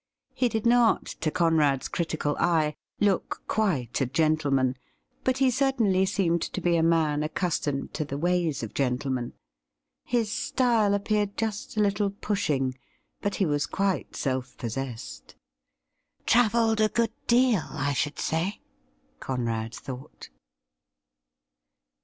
He did not, to Conrad's critical eye, look quite a gentleman, but he certainly seemed to be a man accus tomed to the ways of gentlemen. His style appeared just a little pushing, but he was quite self possessed. ' Travelled a good deal, I should say,' Conrad thought.